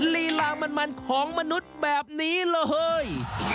ลีลามันของมนุษย์แบบนี้เลย